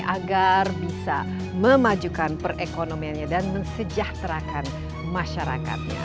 agar bisa memajukan perekonomiannya dan mensejahterakan masyarakatnya